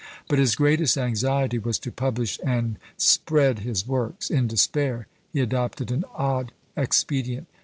But his greatest anxiety was to publish and spread his works; in despair he adopted an odd expedient.